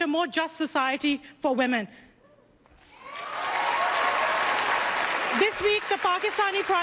ในสัปดาห์นี้ผู้หญิงปริมินิสเตอร์ปาร์คิสตานี